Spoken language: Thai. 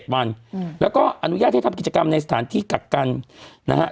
วันแล้วก็อนุญาตให้ทำกิจกรรมในสถานที่กักกันนะฮะ